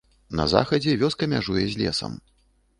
На захадзе вёска мяжуе з лесам.